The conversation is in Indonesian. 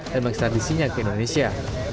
dan mengestandisinya ke indonesia